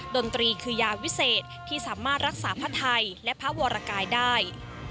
ดนตรีคือยาวิเศษที่สามารถรักษาพระไทยและพระวรกายได้